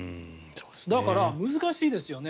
だから、難しいですよね。